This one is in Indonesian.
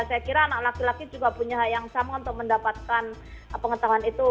saya kira anak laki laki juga punya hak yang sama untuk mendapatkan pengetahuan itu